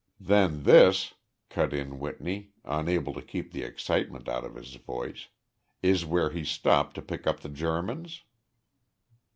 "Then this," cut in Whitney, unable to keep the excitement out of his voice, "is where he stopped to speak to the Germans?"